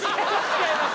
違います